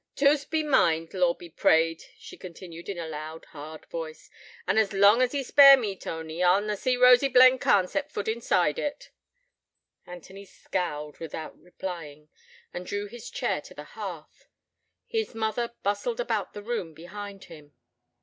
'T' hoose be mine, t' Lord be praised,' she continued in a loud, hard voice, 'an' as long as he spare me, Tony, I'll na see Rosa Blencarn set foot inside it.' Anthony scowled, without replying, and drew his chair to the hearth. His mother bustled about the room behind him.